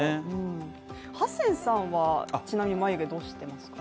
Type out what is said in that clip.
ハセンさんはちなみに眉毛、どうしていますか？